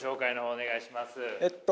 お願いします。